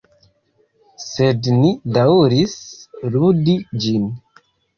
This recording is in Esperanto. Sed ni daŭris ludi ĝin.